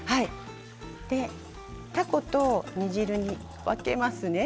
たこと煮汁に分けますね。